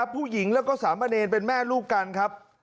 ผู้หญิงแล้วก็สามเณรเป็นแม่ลูกกันครับ